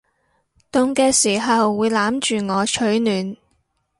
凍嘅時候會攬住我取暖